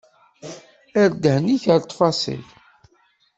Err ddhen-ik ɣer ttfaṣil.